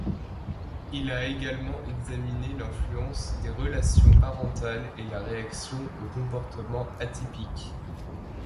Il a également examiné l'influence des relations parentales et la réaction au comportement atypique.